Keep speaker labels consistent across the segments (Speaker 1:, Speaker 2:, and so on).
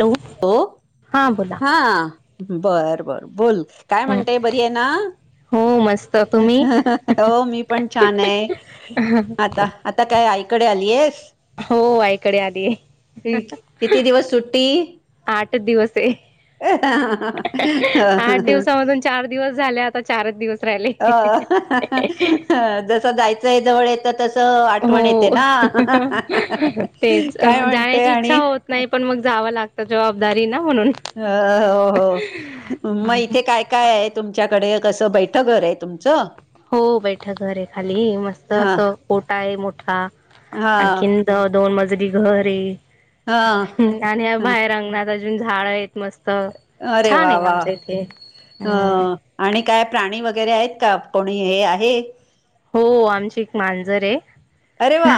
Speaker 1: Hello
Speaker 2: हो. हा. बरं बर बोल. काय
Speaker 1: हं.
Speaker 2: म्हणतेय बरी आहे ना
Speaker 1: हो मस्त तुम्ही
Speaker 2: हो मी पण छान आहे आता आता काय ऐक कडे आलीयेस.
Speaker 1: हो आईकडे आली ये
Speaker 2: किती दिवस
Speaker 1: आठ दिवस ये
Speaker 2: अ
Speaker 1: आठ दिवसामधून चार दिवस झाले आता चारच दिवस राहिले.
Speaker 2: अ जस जायचं जवळ येत तस आठवण येते
Speaker 1: हो
Speaker 2: ना
Speaker 1: तेच
Speaker 2: काय म्हणतेय
Speaker 1: जाण्याची इच्छा
Speaker 2: आणि
Speaker 1: होत नाही पण मग जावं लागतं जबाबदारी ना म्हणून
Speaker 2: अ हो हो मग इथे काय काय आहे तुमच्याकडे कसं बैठं घर ये तुमचं.
Speaker 1: हो बैठ घर आहे खाली मस्त
Speaker 2: हा
Speaker 1: असं ओटा आहे मोठ ठा
Speaker 2: हा
Speaker 1: आणखीन दोन मज तरी घर ये.
Speaker 2: हा
Speaker 1: आणि
Speaker 2: हा
Speaker 1: बाहेर अंगणात झाडं आहेत. मस्त
Speaker 2: अरे
Speaker 1: छान
Speaker 2: वा
Speaker 1: ये
Speaker 2: वा
Speaker 1: आमच्या इथे
Speaker 2: अ
Speaker 1: हम्.
Speaker 2: आणि काय प्राणी वगैरे आहेत का कोणी हे आहे.
Speaker 1: हो आमची एक मांजर ये
Speaker 2: अरे वा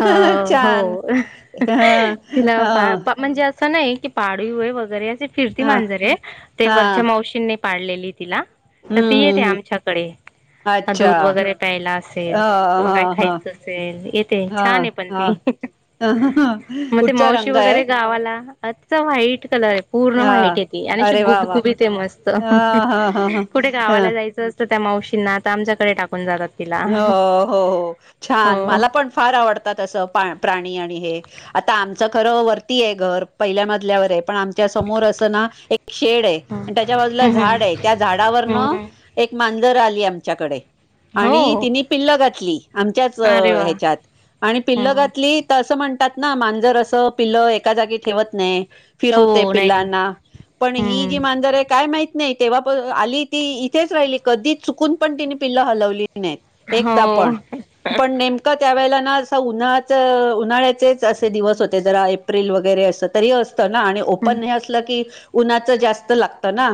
Speaker 1: अ
Speaker 2: छान
Speaker 1: हो
Speaker 2: ह ह
Speaker 1: तिला पायापा म्हणजे आ अस नाही की पाळीव ये वगैरे फिरती
Speaker 2: ह हा
Speaker 1: मांजरे ते वरच्या मावशीनी पाळलेली तिला तर
Speaker 2: हम्म
Speaker 1: ती येते
Speaker 2: हम्म हम्म
Speaker 1: आमच्याकडे
Speaker 2: अच्छा
Speaker 1: दोन वगैरे प्यायला
Speaker 2: ह
Speaker 1: असेल किंवा
Speaker 2: हा
Speaker 1: काय
Speaker 2: हा
Speaker 1: खायच असेल येते
Speaker 2: हा
Speaker 1: छान आहे पण
Speaker 2: हा
Speaker 1: ती मग ते
Speaker 2: कुठचा
Speaker 1: मावशी
Speaker 2: रंग आहे
Speaker 1: वगैरे गावाला अच्छा व्हाईट कलर आहे. पूर्ण
Speaker 2: हा
Speaker 1: व्हाईट हेती आणि
Speaker 2: अरे वा वा
Speaker 1: गुबगुबीत मस्त.
Speaker 2: ह ह ह
Speaker 1: कुठे
Speaker 2: ह
Speaker 1: गावाला जायचं असत. त्या मावशींना आता आमच्याकडे टाक णात [unintelligible]
Speaker 2: अ हो हो छान
Speaker 1: हो
Speaker 2: मला पण फार आवडतात असं प्राणी आणि हे आता आमच खर वरती आहे घर पहिल्या मजल्यावर हे पण आमच्या समोर अस ना एक शेड आहे त्याच्या बाजूला एक
Speaker 1: हम्म
Speaker 2: झाड आहे त्या झाडावर
Speaker 1: हम्म
Speaker 2: एक मा जर आली आमच्याकडे
Speaker 1: हो
Speaker 2: आणि तिने पिल्लं घातली. आमच्याच
Speaker 1: अरे वा
Speaker 2: ह्याच्यात आणि पिल्लं
Speaker 1: हम्म.
Speaker 2: घातली तर असं म्हण ना मांजर असं पिल्लं एका जागी ठेवत नाही. फिरवते
Speaker 1: हो नाही ठेवत.
Speaker 2: पिलांना पण ही जी
Speaker 1: हम्म.
Speaker 2: मांजरे काय माहिती नाही तेव्हा प आली ती इथेच राहिली कधी चुकून पण तिने पिल्लांना हलवली नाही. नाय पण एकदा
Speaker 1: हो.
Speaker 2: पण नेमकं त्या वेळी असा उन्हाळा उन्हाळ्याचेच असे दिवस होते जरा एप्रिल वगैरे अस तरी आणि
Speaker 1: हम्म
Speaker 2: ओपन नाही असलं की, उन्हाचं जास्त लागत ना.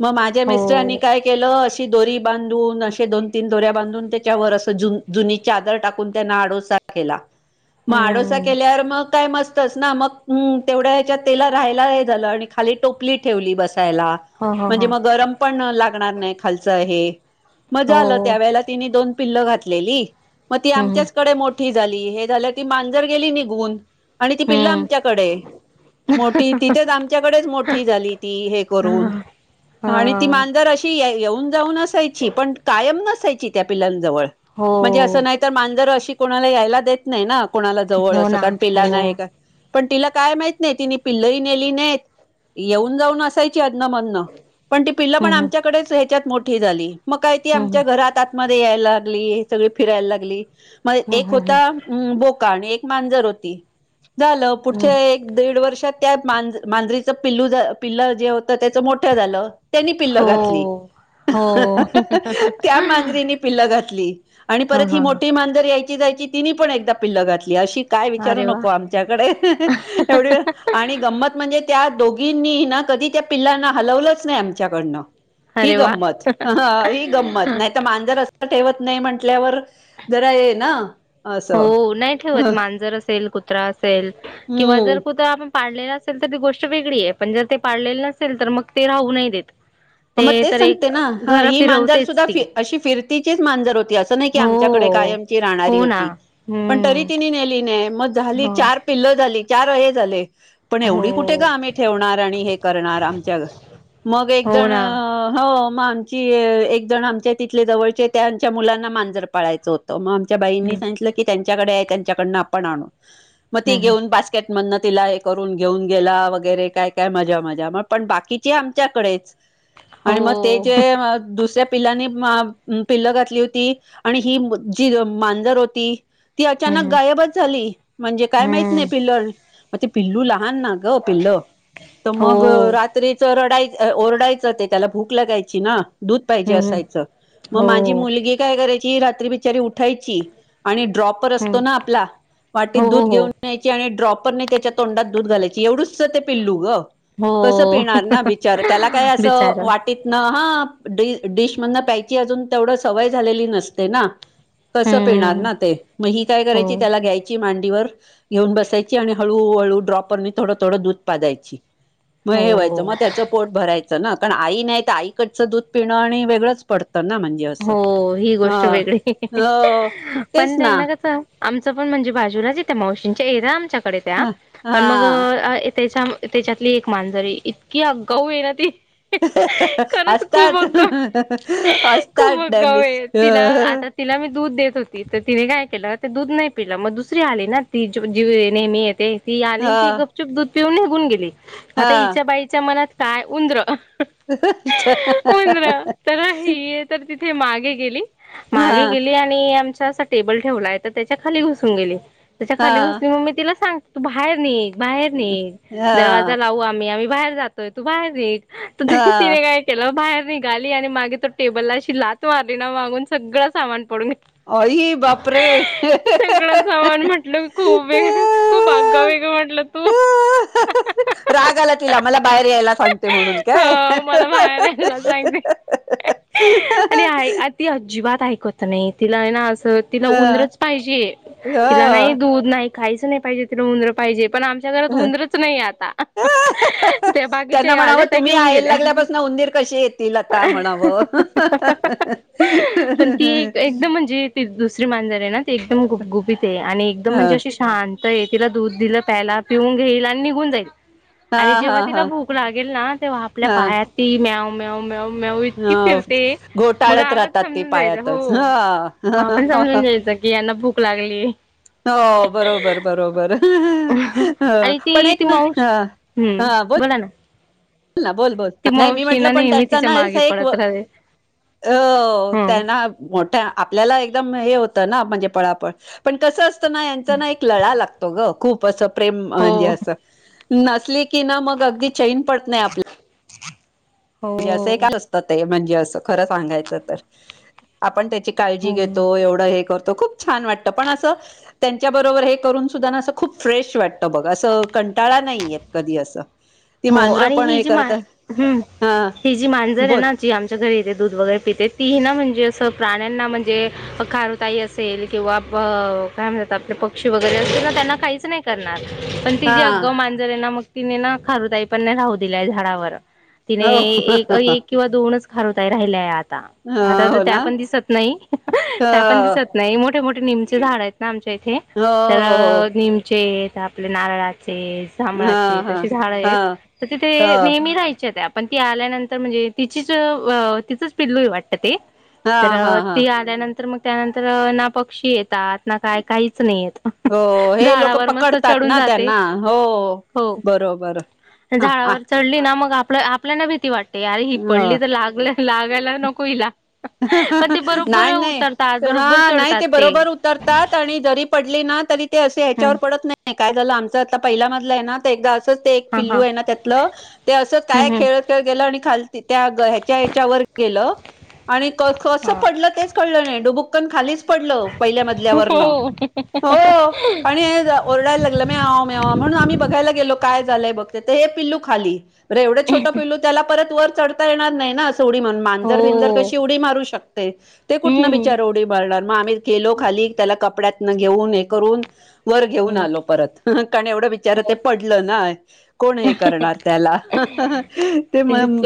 Speaker 2: मग माझ्या
Speaker 1: हो
Speaker 2: मिस्टरांनी काय केल. अ दोरी बांधून अशे दोन तीन दोऱ्या बांधून त्याच्यावर असं जुनी चादर टाकून त्यांना आडोसा केला. मग आडोसा
Speaker 1: हम्म.
Speaker 2: केल्यावर मग काय मस्तच ना मग तेवढ्याच्या तेला राहायला हे झालं आणि खाली टोपली ठेवली बस. रायला
Speaker 1: हो हो
Speaker 2: म्हणजे
Speaker 1: हो
Speaker 2: मग गरम पण ला णार नाही खालच हे. मग झाल.
Speaker 1: हो
Speaker 2: त्यावेळेला तिने दोन पिल्ल घातलेली मग ती
Speaker 1: हम्म
Speaker 2: आमच्याचकडे मोठी झाली हे झाल ती मांजर गेली निघुून. आणि ती पिल्ल
Speaker 1: हम्म.
Speaker 2: आमच्याकडे मोठी तिथेच आमच्याकडेच मोठी झाली ती हे करून
Speaker 1: ह
Speaker 2: आणि ती मांजर अशी य येऊ. ऊन जाऊन असायची पण कायम नस सायची त्या पिल्लां जवळ
Speaker 1: हो
Speaker 2: म्हणजे असं नाय तर मांजर अशी - कोणाला यायला देत नाय ना. कोणाला जवळ
Speaker 1: हो
Speaker 2: अस
Speaker 1: ना
Speaker 2: कारण
Speaker 1: हो
Speaker 2: पिल्लांना हे पण तिला काय माहित नाही तिने पिल्लही नेली नाहीत येऊन जाऊन असायच. ती अदन मदन पण ति पिल्लं पण
Speaker 1: हम्म.
Speaker 2: आमच्याकडेच येत. त्यात मोठी झाली. मग काय ती
Speaker 1: हम्म
Speaker 2: आमच्या घरात मध्ये यायला लागली सगळी फिरायला लागली. मग
Speaker 1: हम्म
Speaker 2: एक
Speaker 1: हम्म
Speaker 2: होता बोक का आणि एक मांजर होती. झालं
Speaker 1: हम्म
Speaker 2: पुढच्या एक दीड वर्ष अ त्या मांज मांजरीच पिल्लू ज पिल्ल जे होत त्याच मोठं झालं. त्यांनी पिल्ल
Speaker 1: हो
Speaker 2: घातली.
Speaker 1: हो.
Speaker 2: त्या मांज पिल्लं घातली. आणि
Speaker 1: हा
Speaker 2: परत ही
Speaker 1: हा हा
Speaker 2: मोठी मांजर याय ची जायची तिनी पण एकदा पिल्ल घातली अशी काय विचारू
Speaker 1: अरे वा
Speaker 2: नको आमच्याकडे एवढी आणि गमत म्हणजे त्या दोघींनी ना कधी त्या पिल्लांना हलवलंच नाय आमच्याकडनं ही
Speaker 1: अरे वा.
Speaker 2: गंमत ह हही गंमत नाय रस्ता ठेवत नाही म्हटल्यावर जरा ये ना. असं
Speaker 1: हो नाही ठेवत मांजर असेल. कु त्रा असेल किंवा
Speaker 2: हम्म
Speaker 1: जर कुत्रा आपण पाडलेला असेल तर ती गोष्ट वेगळी आहे पण जर ते पाळलेले नसेल तर मग ते राहू नाही देत.
Speaker 2: मग
Speaker 1: ते
Speaker 2: तेच
Speaker 1: तर एक
Speaker 2: सांगते ना, ह
Speaker 1: घर
Speaker 2: ही मांजार
Speaker 1: फिरवतेच
Speaker 2: सुद्धा फि
Speaker 1: ती.
Speaker 2: अशी फिर फिरतीचीच मांजर होत ती अस नाही की आमच्याकडे
Speaker 1: हो
Speaker 2: कायम राहणारी
Speaker 1: हो ना
Speaker 2: होती, पण तरी
Speaker 1: हम्म
Speaker 2: तिने नेली नाही, मग झाली
Speaker 1: हो
Speaker 2: चार पिल्ल झाली. चार वेळा झाले. पण
Speaker 1: हो
Speaker 2: एवढी कुठे ग आम्ही ठेवणार आणि हे करणार आमच्या, मग एक एक
Speaker 1: हो
Speaker 2: जण
Speaker 1: ना
Speaker 2: हो म आमची अ एक जण आमच्या तिथले जवळचे त्यांच्या मुलांना मांजर पाळायचं हो त मग आमच्या बाईंनी
Speaker 1: हम्म
Speaker 2: सांगितलं की त्यां च्याकडे त्यांच्याकडन आपण आणू. म ती
Speaker 1: हम्म हम्म
Speaker 2: घेऊन बास्केट मन्न तीला हे करून घेऊन गेला, वगैरे काय काय मजा मजा मग पण बाकीची आमच्याकडेच आणि मग ते
Speaker 1: हो
Speaker 2: जे अ दुस्याप पिल्लानी [unintelligible] पिल्ल घातली होती आणि ही ब जी मांजर होती. ती अचानक
Speaker 1: हम्म
Speaker 2: गायबच झाली म्हणजे काय माहित नई
Speaker 1: हम्म
Speaker 2: पिल्लड मग ते पिल्लू लहान ना ग पिल्ल त
Speaker 1: हो
Speaker 2: मग रात्रीच रडाय अ ओरडाय् च ते त्याला भूक लागायची ना दूध पाहिजे
Speaker 1: हम्म
Speaker 2: असायचं, मग
Speaker 1: हो
Speaker 2: माझी मुलगी काय कराय ची रात्री बिचारी उठायची आणि ड्रॉपर
Speaker 1: हम्म
Speaker 2: असतो ना आपला, वाटीत
Speaker 1: हो हो
Speaker 2: दूध
Speaker 1: हो
Speaker 2: घेऊन यायची आणि ड्रॉप परने त्याच्या तोंडात दूध घालायची, एवढूस ते पिल्लू गं कस
Speaker 1: हो
Speaker 2: पिणार ना बिचार, त्याला काय अस अ
Speaker 1: बिचारा
Speaker 2: वाटीत न अहप डी डिश मधनं प्यायची अजून तेवढ सवय झालेली नसते ना कस पिणार
Speaker 1: हम्म
Speaker 2: ना ते, मग ही काय
Speaker 1: हो
Speaker 2: करायची त्याला घ्यायची मां वर घेऊन बसायची हळू हळू ड्रॉपरनी थोड थोड दूध पाजायची. म
Speaker 1: हो
Speaker 2: हे वायचं, मग त्याचं पोट भराय चना कन आई नाई त आईकडचं दूध पिणं आणि वेगळंच पड
Speaker 1: हो, ही गोष्ट वेगळी,
Speaker 2: हो तेच
Speaker 1: पण
Speaker 2: ना
Speaker 1: त्यांना कसं आमचं पण म्हणजे बाजूलाच ये, त्या मावशींच्या एरा आमच्या कडे त्या
Speaker 2: ह
Speaker 1: पण मग
Speaker 2: हा
Speaker 1: अ ये त्याच्याम त्याच्यातली एक मांजर ये, इतकी आगाऊ ये ना ती खरंच खूप
Speaker 2: असतात
Speaker 1: आगाऊ
Speaker 2: अस
Speaker 1: खूप
Speaker 2: [unintelligible]
Speaker 1: आगाऊ
Speaker 2: डँबीस
Speaker 1: आहे
Speaker 2: [unintelligible]
Speaker 1: तिला आता तिला मी दूध देत होती, तर तिने काय केलं ते दूध नई पिलं, मग दुसरी आली ना ती जी जीव नेहमी येते. ती आली न ती
Speaker 2: हा
Speaker 1: गपचुप दुध पिऊन निघून गेली. आता
Speaker 2: हा
Speaker 1: हिच्या बाईच्या मनात काय उंदर उंदरा तर ही तर
Speaker 2: [inaudible]
Speaker 1: तिथे मागे गेली. मागे
Speaker 2: हा
Speaker 1: गेली आणि आम असा टेबल ठेवला आहे. त्याच्या खाली घुसून गेली. त्याच्या खाली
Speaker 2: हा
Speaker 1: घुसली मग मी तिला सांग तू बाहेर ने बाहेर निघं दरवाजा
Speaker 2: हा
Speaker 1: लावू आम्ही आम्ही बाहेर जातोय. तू बाहेर निघ. तर
Speaker 2: हा
Speaker 1: तिने काय केलं बाहेर निघाली आणि मागे तो टेबलला लाथ मारली ना मागून सगळं सामान पडून गेलं
Speaker 2: आई बापरे
Speaker 1: सगळं सामान म्हटलं खूप वेग खूप आगं वेगळं म्हटलं तू
Speaker 2: राग आला तिला मला बाहेर यायला सांगते म्हणून
Speaker 1: ह
Speaker 2: काय,
Speaker 1: मला बाहेर यायला सांगते आणि आई ति अजिबात ऐ कत नाही तिला आहे ना आज तिला
Speaker 2: हं,
Speaker 1: उंदरच पाहिजे तिला नाही
Speaker 2: हं.
Speaker 1: दूध नाही. काहीच नाही पाहिजे तिला उंदर पाहिजेत. पण आमच्या घरात उंदरच नाही आता ते बाकीचे
Speaker 2: त्यांना म्हणावं
Speaker 1: आले त्या
Speaker 2: तुम्ही
Speaker 1: घेऊन
Speaker 2: यायला
Speaker 1: गेल्या.
Speaker 2: लागल्यापासून उंदीर कशी येतील आता म्हणावं
Speaker 1: पण ती एकदम म्हणजे दुस री मांजर आहे ना. एकदम गुबगुबीत आहे आणि एकदम म्हणजे
Speaker 2: हं,
Speaker 1: अशी शांत तिला दूध दिलं प्यायला पिऊन घेईल आणि निघून जाईल.
Speaker 2: हा
Speaker 1: आणि
Speaker 2: हा
Speaker 1: जेव्हा तिला
Speaker 2: हा
Speaker 1: भूक लागेल ना तेव्हा आपल्या पायात ती म्याँव म्याँव म्याँव म्याँव इतकी फिर
Speaker 2: हा घोटाळत राहतात ते पायातच
Speaker 1: हो
Speaker 2: हं
Speaker 1: हा पण समजून घ्यायचं की यांना भूक लागली
Speaker 2: हो बरोबर बरोबर हं
Speaker 1: आणि
Speaker 2: पण
Speaker 1: ती ती
Speaker 2: एकना
Speaker 1: मावशी
Speaker 2: हं
Speaker 1: हम्म
Speaker 2: हं ब
Speaker 1: बोला ना
Speaker 2: बोलना बोल बोल
Speaker 1: ती
Speaker 2: नाही मी
Speaker 1: मावशी
Speaker 2: म्हंटलं
Speaker 1: ना
Speaker 2: पण
Speaker 1: नेहमी
Speaker 2: त्यांचा
Speaker 1: तिच्या
Speaker 2: ना असं
Speaker 1: मागे
Speaker 2: एक अ
Speaker 1: पडत राहते. हं
Speaker 2: त्यांना मोठ्या आपल्याला एकदम हे हो तर ना म्हणजे पळापळ पण कसं अस तना यांचा ना एक लळा लागतो गं. खूप असं प्रेम म्हणजे
Speaker 1: हो
Speaker 2: असं. नसली की ना मग अगदी चैन प नाय आपल
Speaker 1: [inaudible]
Speaker 2: म्हणजे अस
Speaker 1: हो
Speaker 2: एकाल असतं ते म्हं की असं खर सांगायच तर, आपण ते ची काळजी
Speaker 1: हो
Speaker 2: घेतो, एवढं हे कर तो. खूप छान वाटतं पण, असं त्यांच्या बरोबर हे करून सुद्धा ना, अस खूप फ्रेश वाटत बघ असं, कंटाळा नाही येत कधी असं. ती
Speaker 1: हो
Speaker 2: मांजरं
Speaker 1: आणि
Speaker 2: पण
Speaker 1: हि
Speaker 2: हे
Speaker 1: जी मां
Speaker 2: करत
Speaker 1: हम्
Speaker 2: हा
Speaker 1: ती जी मांजर हाय
Speaker 2: बोल
Speaker 1: ना, जी आमच्या घरी येथे दूध वगैरे पिते, तीना म्हणजे अस प्राण्यांना म्हणजे अ खारुताई असेल किंवा प काय म्हणतात? आपले पक्षी वगैरे असतील ना, त्यांना काहीच नाही करणार. पण ति जी
Speaker 2: हा
Speaker 1: अगाव मांजर हायना मग तीनेना खारूताई पण नाय, राहु दिल्या झाडावर. तिने,
Speaker 2: हो
Speaker 1: एएक एक किंवा दोनच खारुताई राहिल्याय आता, आता तर
Speaker 2: हो
Speaker 1: त्या
Speaker 2: ना
Speaker 1: पन दिसत नाई,
Speaker 2: हो
Speaker 1: त्या पन दिसत नाई मोठे मोठ नीमच झाड हायतना आम च्या इथे, तर
Speaker 2: हो हो
Speaker 1: अ
Speaker 2: हो.
Speaker 1: निमचे त्या आपल्या नारळा चे,
Speaker 2: हा
Speaker 1: जांभळाचे
Speaker 2: हा
Speaker 1: तस ची झाड
Speaker 2: हा
Speaker 1: हायत,
Speaker 2: ह
Speaker 1: तर तिथे नेहमी राहायच्या त्या पण ती आल्यानंतर म्हणजे तिचीच व तिचंच पिल्लूय वाटतं ते.
Speaker 2: हा
Speaker 1: तर
Speaker 2: हा हा
Speaker 1: ती आल्यानंतर मग त्यानंतर अ ना पक्षी येतात. ना काय काहीच नाई येत.
Speaker 2: हो हे लोक
Speaker 1: झाडावर मस्त
Speaker 2: पकडतात
Speaker 1: चढून
Speaker 2: ना
Speaker 1: जाते
Speaker 2: त्यांना हो
Speaker 1: हो
Speaker 2: बरो
Speaker 1: झाडावर चढलीना मग आपलं आपल्यांना भीती वाटते याय ही
Speaker 2: ह
Speaker 1: पडली तर लागलं लागायला नको हीला.
Speaker 2: नाही नाही
Speaker 1: बरोबर
Speaker 2: हां नाही
Speaker 1: चढतात
Speaker 2: ते बरोबर उतरतात आणि जरी पडलीना ते असे ह्याच्यावर
Speaker 1: हम्म
Speaker 2: पडत नाही. काय झालं आमचं आता पहिला मजला आहे ना तेजाच. त ते एक
Speaker 1: हा हा
Speaker 2: पिल्लू आहे ना त्यातलं ते अस काय
Speaker 1: हम्म हम्म
Speaker 2: खेळत खेळत गेलं आणि खाल ते त्या ग ह्याच्या ह्याच्यावर गेलं आणि क-कसं
Speaker 1: हा
Speaker 2: पडलं तेच कळलं नाही. डुबुकन खालीच पडलं. पहिल्या मजल्यावरन
Speaker 1: हो
Speaker 2: हो. आणि ओरडाय लागलं म्यावं म्यावं म्हणून आम्ही बघायला गेलो काय झालंय बघते तर हे पिल्लू खाली. अरे एवढं छोटं पिलू त्याला परत वर. चढता येणार नाही ना, आज थोडी म्हणं मांजर बिंजर - -
Speaker 1: हो
Speaker 2: कशी उडी मारू शक तेचं ते कुठन
Speaker 1: हम्म
Speaker 2: बिचार उडी मारणार, मग आम्ही गेलो खाली त्याला कपड्यात न घेऊन हे करून.. वर घेऊन
Speaker 1: हम्म
Speaker 2: आलो परत, कारण एवढं विचार ते
Speaker 1: हो
Speaker 2: पडलं नाही, कोण हे करणार त्याला ते म-
Speaker 1: तेच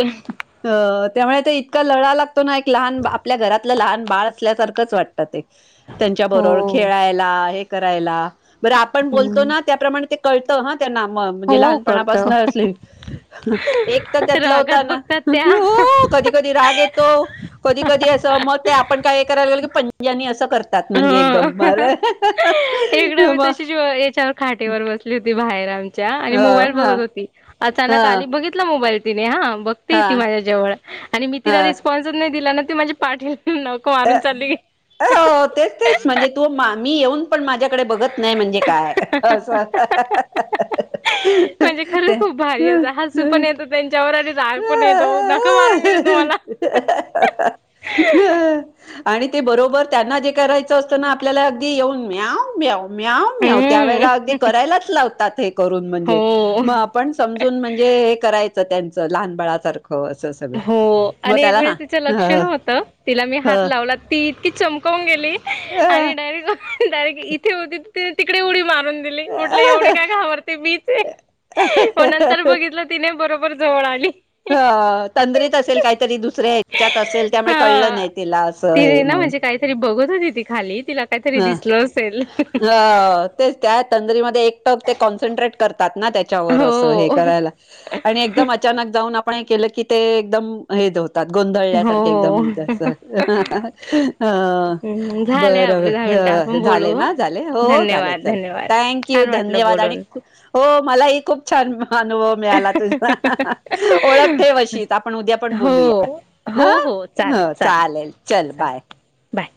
Speaker 2: - त्यामुळे ते इतका लळा लाग- - तोना एक लहान बा आपल्या घरात - - लहान बाळ असल्यासारखंच वाटतं. तर ते
Speaker 1: हो
Speaker 2: त्यांच्याबरोबर खेळायला एक- - करायला.. बरं आपण बोलतो
Speaker 1: हम्म
Speaker 2: ना, त्याप्रमाणे ते - - कळतहां - - त्यांना म, म्हणजे,
Speaker 1: हो करत
Speaker 2: लहानपणापासन असली एक तर त्यातला
Speaker 1: रागात
Speaker 2: होता ना.
Speaker 1: बघतात त्या
Speaker 2: कधी कधी राग येतो. कधी कधी अस म ते आपण काय हे करायला गेल की पंजानी अस
Speaker 1: हो हिकडंबी
Speaker 2: मग
Speaker 1: तशी याच्यावर खाटेवर बसली होती बाहेर आम- - च्या आणि
Speaker 2: हा
Speaker 1: मोबाईल
Speaker 2: हा
Speaker 1: बघत होती.
Speaker 2: हा
Speaker 1: अचानक आली, बघितलं. मोबाईल तिने हा बघते
Speaker 2: हा
Speaker 1: ती, माझ्या जवळ आणि मी तिला
Speaker 2: हा
Speaker 1: रिस्पॉन्सच नाही दिला ना- - ती म्हणजे पाठ [unintelligible] नको आणुन
Speaker 2: अ-
Speaker 1: चालली कि
Speaker 2: हो तेच तेच म्हणजे तो मा - - मी येऊन पण माझ्या कडे बघत नाही म्हणजे काय?
Speaker 1: म्हणजे खरंच खूप जाळ पण येतो नखं मारून गेली तुम्हाला
Speaker 2: आणि ते बरोबर त्यांना जे कारायचं असतं ना, आपल्याला अगदी येऊन म्याव! म्याव! म्याव! म्याव! त्या वेळेला अगदी
Speaker 1: हम्म
Speaker 2: करायलाच लावतात. हे करून म्हणजे,
Speaker 1: हो
Speaker 2: मग आपण समजून म्हणजे हे कराय त त्यांच लहान बाळा सारखं
Speaker 1: हो आणि एक वेळेस तिच लक्ष नव्हत, तिला मी हात लावला ती इतकी चमकवून गेली आणि डायरेक्ट डायरेक्ट इथे होती ते तीने तिकडे उडी मा रून दिली म्हटलं एवढी काय घाबरते मीच आहे म नंतर बघितल तिने बरोबर जवळ आली.
Speaker 2: हा ता तंद्रीत असेल काहीतरी, दुसऱ्या ह्याच्यात असेल त्यामुळे कळलं
Speaker 1: हा
Speaker 2: नाही तिला अस हे
Speaker 1: तिने ना
Speaker 2: म्हणे
Speaker 1: म्हणजे काहीतरी बघत होती ती खाली तिला काहीतरी दिसलं असेल
Speaker 2: अ, तेच त्या तंदरीमध्ये एक तग ते कॉन्सन्ट्रेट करतात. नात्या तेच्यावर असं हे
Speaker 1: हो
Speaker 2: करायला आणि एकदम अचानक जाऊन आप न नाही केलं की ते एकदम, हे येत तात गोंधळल्यासारखे एकदम
Speaker 1: हो हम्म झालंय
Speaker 2: बर
Speaker 1: आपले दहा मिनिटं आपण
Speaker 2: झाले
Speaker 1: बोलू हं.
Speaker 2: ना चालेल हो चालेल
Speaker 1: धन्यवाद
Speaker 2: चालेल
Speaker 1: धन्यवाद
Speaker 2: थँक यू,
Speaker 1: छान वाटलं
Speaker 2: धन्यवाद आणि
Speaker 1: बोलून
Speaker 2: हो मलाही खूप छान अनुभव मिळाला तुझा ओळख ठेव अशीच आपण उद्या पण
Speaker 1: हो
Speaker 2: बोलूया
Speaker 1: हो हो
Speaker 2: हं
Speaker 1: चालेल
Speaker 2: हो चालेल चल
Speaker 1: चालेल
Speaker 2: बाय
Speaker 1: बाय.